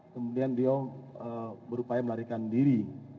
kemudian dia berupaya melarikan diri